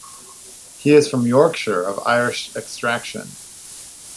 He is from Yorkshire, of Irish extraction.